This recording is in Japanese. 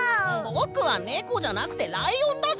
ぼくはネコじゃなくてライオンだぞ！